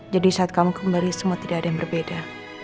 jadi saat kamu kembali semua tidak ada yang berbeda